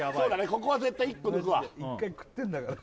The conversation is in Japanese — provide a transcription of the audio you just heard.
ここは絶対１個抜くわ１回食ってんだから